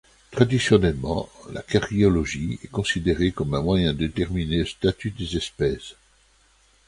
Traditionnellement, la caryologie est considérée comme un moyen de déterminer le statut des espèces.